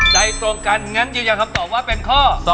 ใจตรงกันงั้นยืนยันคำตอบว่าเป็นข้อ๒